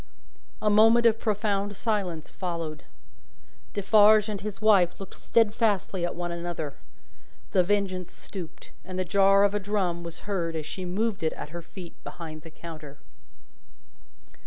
A moment of profound silence followed. Defarge and his wife looked steadfastly at one another. The Vengeance stooped, and the jar of a drum was heard as she moved it at her feet behind the counter.